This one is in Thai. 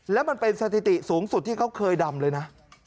แล้วมันเป็นสถิติสูงสุดที่เขาเคยดำเลยนะ